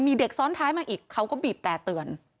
มีเด็กซ้อนท้ายมาอีกเขาก็บีบแต่เตือน